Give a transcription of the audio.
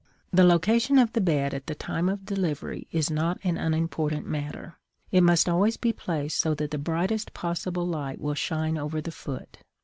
The location of the bed at the time of delivery is not an unimportant matter; it must always be placed so that the brightest possible light will shine over the foot.